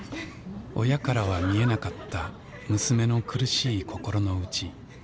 親からは見えなかった娘の苦しい心の内。